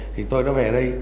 thì tôi đã về đây